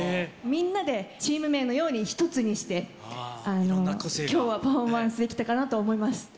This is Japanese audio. みんなでチーム名のようにひとつにして、きょうはパフォーマンスできたかなと思います。